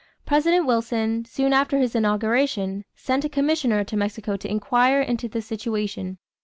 President Wilson, soon after his inauguration, sent a commissioner to Mexico to inquire into the situation.